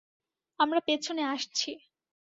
আমরা পেছনে আসছি।